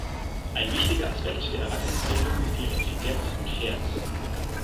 Ein wichtiger Aspekt der Erwachsenenbildung ist ihre Effizienz und Fairness.